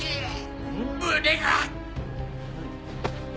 胸が！